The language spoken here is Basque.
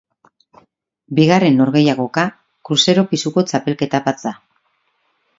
Bigarren norgehiagoka, kruzero pisuko txapelketa bat da.